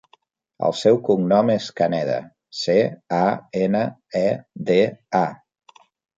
El seu cognom és Caneda: ce, a, ena, e, de, a.